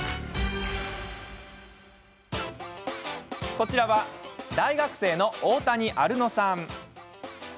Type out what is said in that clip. こちらは、大学生の大谷有乃さん。